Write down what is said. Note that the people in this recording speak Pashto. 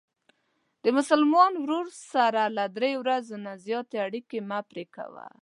د مسلمان ورور سره له درې ورځو نه زیاتې اړیکې مه پری کوه.